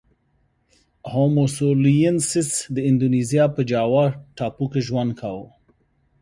هومو سولوینسیس د اندونزیا په جاوا ټاپو کې ژوند کاوه.